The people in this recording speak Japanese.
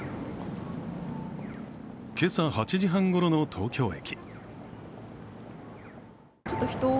今朝８時半ごろの東京駅。